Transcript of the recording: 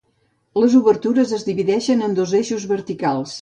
Les obertures es divideixen en dos eixos verticals.